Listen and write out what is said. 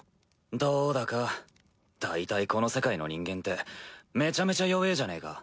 どうだか大体この世界の人間ってめちゃめちゃ弱えぇじゃねえか。